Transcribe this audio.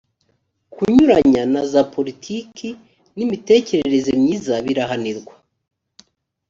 kunyuranya na za politiki n’ imigenzereze myiza birahanirwa